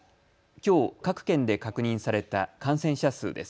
きょう各県で確認された感染者数です。